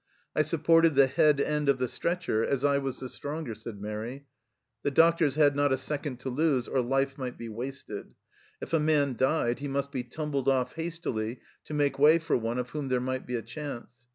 I supported the head end of the stretcher, as I was the stronger," said Mairi. The doctors had not a second to lose, or life might be wasted ; if a man died, he must be tumbled off hastily to make way for one for whom there might be a chance.